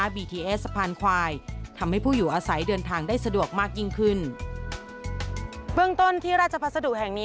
เบื้องต้นที่ราชพัสดุแห่งนี้